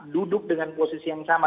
duduk dengan posisi yang sama